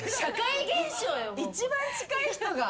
一番近い人が。